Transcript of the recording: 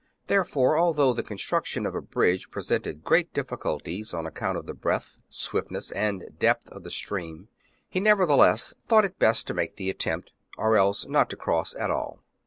Therefore, although the construction of a bridge presented great difficulties on account of the breadth, swiftness, and depth of the stream, he nevertheless thought it best to make the attempt, or else not to cross at all.